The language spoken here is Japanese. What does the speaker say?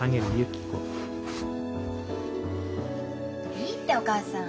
いいってお母さん。